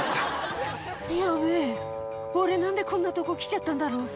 「ヤベェ俺何でこんなとこ来ちゃったんだろう？」